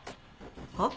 はっ？